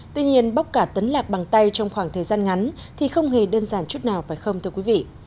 tuy nhiên bóc cả tấn lạc bằng tay trong khoảng thời gian ngắn thì không hề đơn giản chút nào phải không thưa quý vị